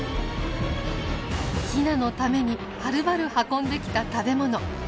ヒナのためにはるばる運んできた食べ物。